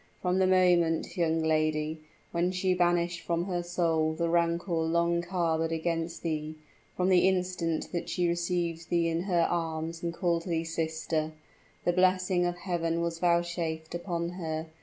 From the moment, young lady, when she banished from her soul the rancor long harbored there against thee from the instant that she received thee in her arms, and called thee sister the blessing of Heaven was vouchsafed unto her.